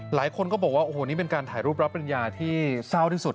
หลายคนก็บอกว่าโอ้โหนี่เป็นการถ่ายรูปรับปริญญาที่เศร้าที่สุด